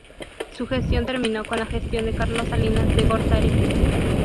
Su gestión terminó con la gestión de Carlos Salinas de Gortari.